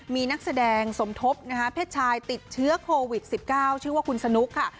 มีนักแสดงสมทบเพศชายติดเชื้อโควิด๑๙ชื่อว่าคุณสนุกค่ะ